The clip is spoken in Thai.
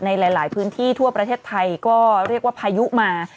ในหลายพื้นที่ทั่วประเทศไทยก็เรียกว่าพายุมา